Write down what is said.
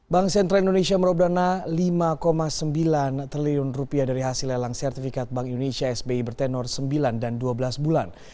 bank sentral indonesia merob dana lima sembilan triliun rupiah dari hasil lelang sertifikat bank indonesia sbi bertenor sembilan dan dua belas bulan